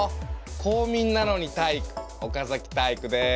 公民なのに体育岡崎体育です！